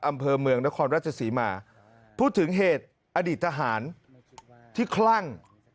อำเภอเมืองนครราชศรีมาพูดถึงเหตุอดีตทหารที่คลั่ง